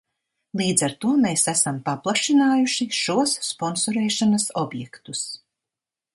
Līdz ar to mēs esam paplašinājuši šos sponsorēšanas objektus.